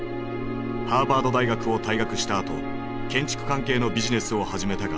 ハーバード大学を退学したあと建築関係のビジネスを始めたが失敗。